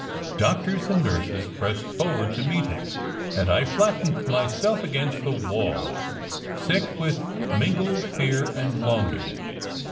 Doctors and nurses pressed forward to meet it, and I flattened myself against the wall, sick with mingled fear and longing.